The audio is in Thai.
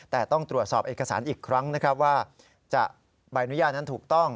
แต่ต้องตรวจสอบเอกสารอีกครั้งนะครับว่าจะใบอนุญาตนั้นถูกต้อง